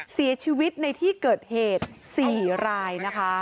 เสียชีวิตในที่เกิดเหตุ๔รายนะคะ